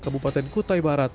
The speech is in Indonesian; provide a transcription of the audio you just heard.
kabupaten kutai barat